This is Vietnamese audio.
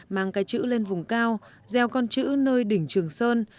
mang cái chữ lên vùng cao gieo con chữ nơi đỉnh trường sơn